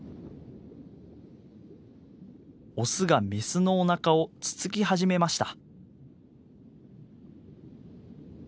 オスがメスのおなかをつつき始めました。